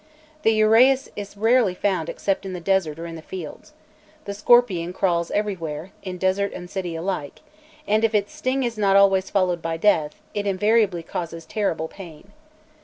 The uræus is rarely found except in the desert or in the fields; the scorpion crawls everywhere, in desert and city alike, and if its sting is not always followed by death, it invariably causes terrible pain.